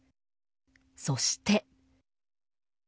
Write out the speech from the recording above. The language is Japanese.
そして。